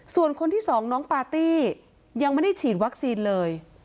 ส่วนคนที่สองน้องปาร์ตี้ยังไม่ได้ฉีดวัคซีนเลย